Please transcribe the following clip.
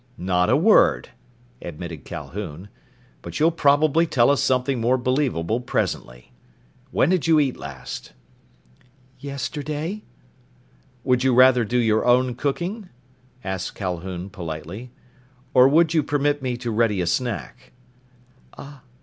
"Not a word," admitted Calhoun. "But you'll probably tell us something more believable presently. When did you eat last?" "Yesterday." "Would you rather do your own cooking?" asked Calhoun politely. "Or would you permit me to ready a snack?"